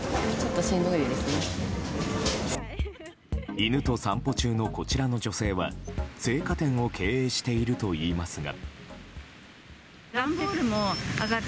犬と散歩中の、こちらの女性は生花店を経営しているといいますが。